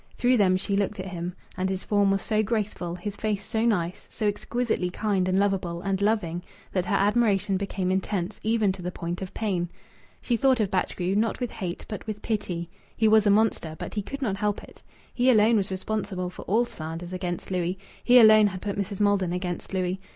Through them she looked at him. And his form was so graceful, his face so nice, so exquisitely kind and lovable and loving, that her admiration became intense, even to the point of pain. She thought of Batchgrew, not with hate, but with pity. He was a monster, but he could not help it. He alone was responsible for all slanders against Louis. He alone had put Mrs. Maldon against Louis.